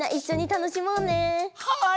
はい！